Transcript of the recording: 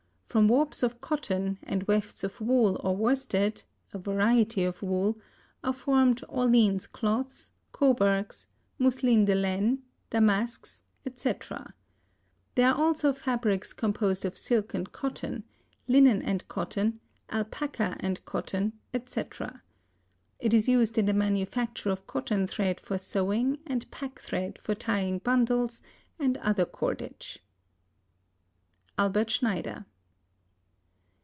From warps of cotton and wefts of wool or worsted (a variety of wool) are formed Orleans cloths, Coburgs, mousselines de laine, damasks, etc. There are also fabrics composed of silk and cotton, linen and cotton, alpaca and cotton, etc. It is used in the manufacture of cotton thread for sewing and pack thread for tying bundles, and other cordage. Albert Schneider.